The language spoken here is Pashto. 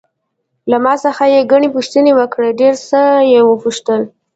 له ما څخه یې ګڼې پوښتنې وکړې، ډېر څه یې وپوښتل.